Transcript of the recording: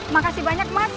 makasih banyak mas